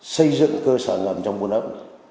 xây dựng cơ sở ngầm trong quân ốc